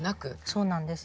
そうなんです。